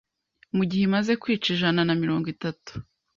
mu gihe imaze kwica ijana na mirongo itatu